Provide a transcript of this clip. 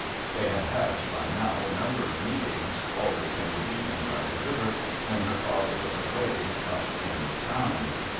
They had had, by now, a number of meetings, always in the evening by the river, when her father was away, up in the town.